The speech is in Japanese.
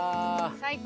最高！